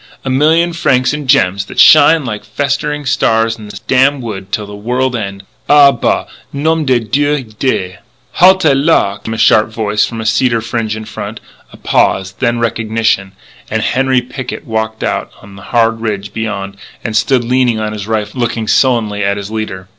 a million francs in gems that shine like festering stars in this damn wood till the world end. Ah, bah nome de dieu de " "Halte là!" came a sharp voice from the cedar fringe in front. A pause, then recognition; and Henri Picquet walked out on the hard ridge beyond and stood leaning on his rifle and looking sullenly at his leader.